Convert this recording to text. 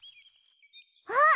あっ！